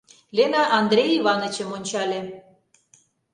Лена Андрей Иванычым ончале.